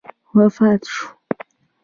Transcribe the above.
وفات شو.